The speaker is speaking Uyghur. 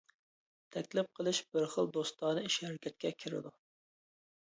تەكلىپ قىلىش بىر خىل دوستانە ئىش-ھەرىكەتكە كىرىدۇ.